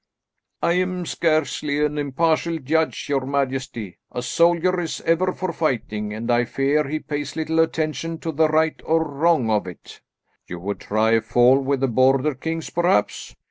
"I am scarcely an impartial judge, your majesty. A soldier is ever for fighting, and I fear he pays little attention to the right or wrong of it." "You would try a fall with the Border kings perhaps?"